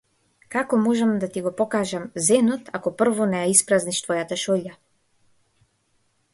Како можам да ти го покажам зенот ако прво не ја испразниш твојата шолја?